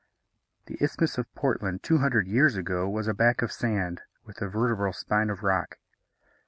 The Isthmus of Portland two hundred years ago was a back of sand, with a vertebral spine of rock.